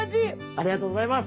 ありがとうございます。